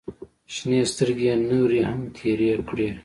شنې سترګې يې نورې هم تېرې کړې.